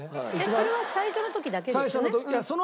それは最初の時だけですよね？